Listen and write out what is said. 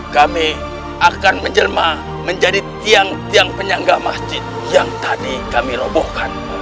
kami akan menjelma menjadi tiang tiang penyangga masjid yang tadi kami robohkan